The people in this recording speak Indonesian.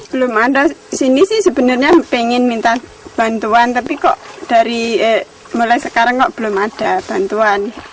belum ada sini sih sebenarnya pengen minta bantuan tapi kok dari mulai sekarang kok belum ada bantuan